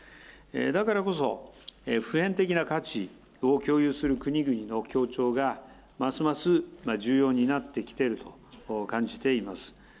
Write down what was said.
だからこそ普遍的な価値を共有する国々の協調が、ますます重要になってきていると感じています。